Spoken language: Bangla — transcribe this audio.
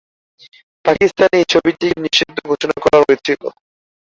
পাকিস্তানে এই ছবিটিকে নিষিদ্ধ ঘোষণা করা হয়েছিল।